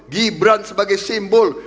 gibran sebagai simbol